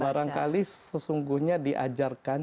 barangkali sesungguhnya diajarkan